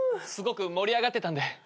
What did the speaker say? すごく盛り上がってたんで。